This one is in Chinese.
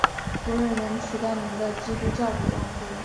无人能取代您的基督教王国！